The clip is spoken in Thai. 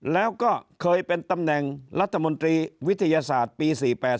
แล้วก็เคยเป็นตำแหน่งรัฐมนตรีวิทยาศาสตร์ปี๔๘